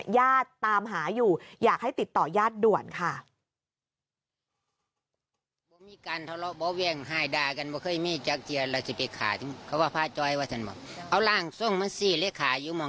ญาติตามหาอยู่อยากให้ติดต่อญาติด่วนค่ะ